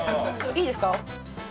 いいですか？